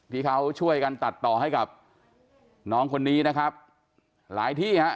ที่เขาช่วยกันตัดต่อให้กับน้องคนนี้นะครับหลายที่ฮะ